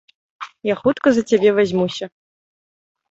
Я хутка за цябе вазьмуся.